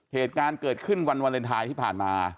เหตุการณ์เกิดขึ้นวันวาเลนไทยที่ผ่านมา